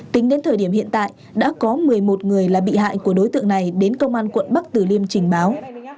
tính đến thời điểm hiện tại đã có một mươi một người là bị hại của đối tượng này đến công an quận bắc tử liêm trình báo